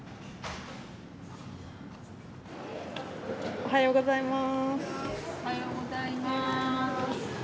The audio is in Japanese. おはようございます。